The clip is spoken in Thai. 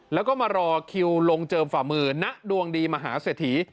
แล้วก็มารอคิวลงเจิมฝ่ามือณดวงดีมหาเศรษฐี